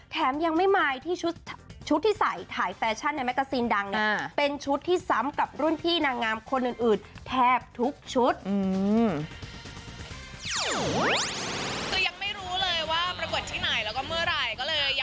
แถมยังไม่มายที่ชุดที่ใสถ่ายแฟชั่นในแมกกาซินดังเนี่ย